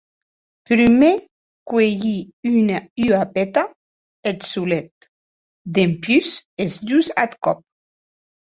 Prumèr cuelhie ua peta eth solet, dempús es dus ath còp.